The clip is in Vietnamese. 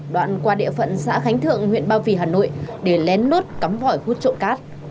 đoạn qua địa phận xã khánh thượng huyện ba vì hà nội để lén lốt cắm vỏi hút trộn cát